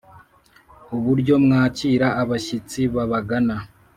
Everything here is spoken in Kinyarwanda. Uburyo mwakira abashyitsi babagana